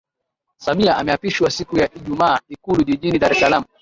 Samia ameapishwa siku ya Ijumaa ikulu jijini Dar es Salaam